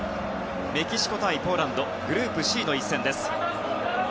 メキシコ対ポーランドグループＣの一戦です。